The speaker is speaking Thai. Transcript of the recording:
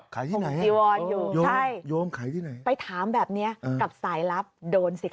ของจีวอนอยู่ไปถามแบบนี้กับสายลับโดนสิคะ